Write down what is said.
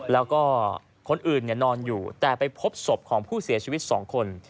แล้วก็คนอื่นนอนอยู่แต่ไปพบศพของผู้เสียชีวิต๒คน